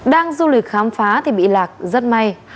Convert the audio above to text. đang du lịch khám phá thì bị lạc rất may